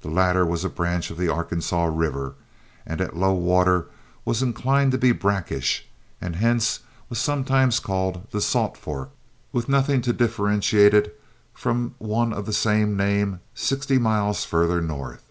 The latter was a branch of the Arkansas River, and at low water was inclined to be brackish, and hence was sometimes called the Salt Fork, with nothing to differentiate it from one of the same name sixty miles farther north.